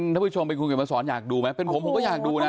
ถ้าผู้ชมเป็นคุณเกี่ยวกับสอนอยากดูไหมเป็นผมก็อยากดูนะ